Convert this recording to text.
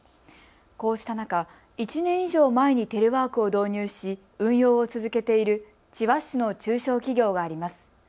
こうした中、１年以上前にテレワークを導入し運用を続けている千葉市の中小企業があります。